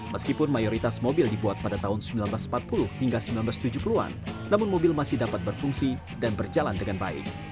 meskipun mayoritas mobil dibuat pada tahun seribu sembilan ratus empat puluh hingga seribu sembilan ratus tujuh puluh an namun mobil masih dapat berfungsi dan berjalan dengan baik